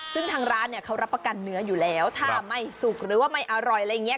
ซึ่งทางร้านเนี่ยเขารับประกันเนื้ออยู่แล้วถ้าไม่สุกหรือว่าไม่อร่อยอะไรอย่างเงี้